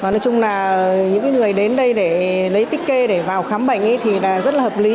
nói chung là những người đến đây để lấy pick kê để vào khám bệnh thì rất là hợp lý